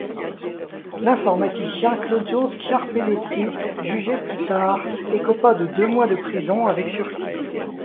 L'informaticien Claudio Sciarpelletti jugé plus tard écopa de deux mois de prison avec sursis.